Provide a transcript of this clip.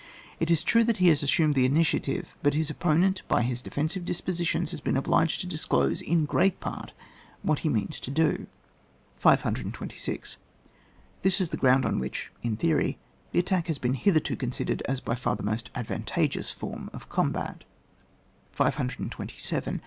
It is true that he has assumed the initiative, but his oppo nent, by his defensive dispositions, has been obliged to disclose, in great pari, what he moans to do. 526. This is the ground on which, in theory, the attack has been hitherto con* sidei^ed as by far the most advantageous form of combat. GUIDE TO TACTICS, OR THE THEORY OF THE COMB J T.